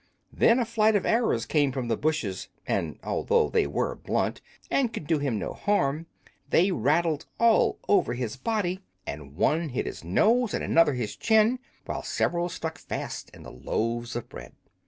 Then a flight of arrows came from the bushes, and although they were blunt and could do him no harm, they rattled all over his body; and one hit his nose, and another his chin, while several stuck fast in the loaves of bread.